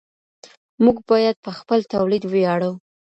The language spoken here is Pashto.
موږ باید په خپل تولید ویاړو.